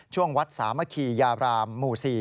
ช่วงวัดสามัคคียาบรามหมู่๔